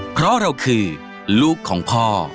เพราะเราคือลูกของพ่อ